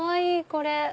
これ。